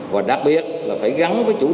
và đặc biệt là phải gắn với chủ nghĩa